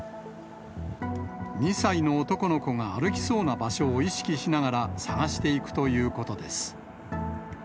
２歳の男の子が歩きそうな場所を意識しながら捜していくということです。